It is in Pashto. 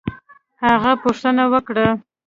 هغه پوښتنه وکړه